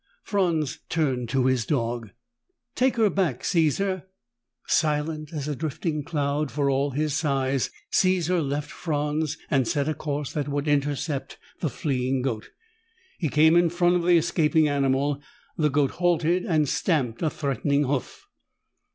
Franz turned to his dog. "Take her back, Caesar." Silent as a drifting cloud, for all his size, Caesar left Franz and set a course that would intercept the fleeing goat. He came in front of the escaping animal. The goat halted and stamped a threatening hoof.